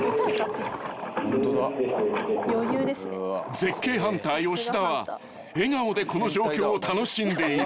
［絶景ハンター吉田は笑顔でこの状況を楽しんでいる］